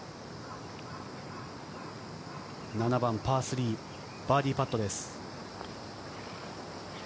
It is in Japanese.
７番パー３、バーディーパットです。